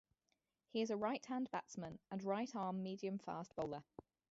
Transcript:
He is a right-hand batsman and right arm medium-fast bowler.